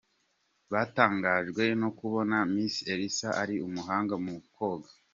Batangajwe no kubona Miss Elsa ari umuhanga mu koga,.